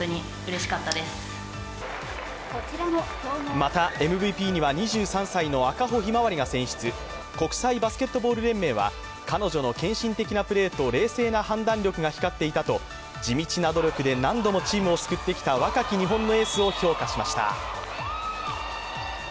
またＭＶＰには２３歳の赤穂ひまわりが選出国際バスケットボール連盟は、彼女の献身的なプレーと冷静な判断力が光っていたと、地道な努力で何度もチームを救ってきた若き日本のエースを評価しました。